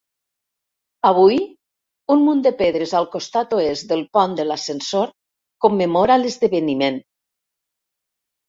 Avui, un munt de pedres al costat oest del pont de l'ascensor commemora l'esdeveniment